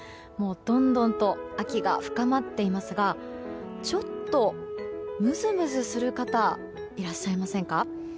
どんどんと秋が深まっていますがちょっとむずむずする方いらっしゃいませんか？